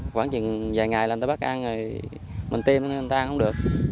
khoảng vài ngày người ta bắt ăn rồi mình tiêm người ta ăn không được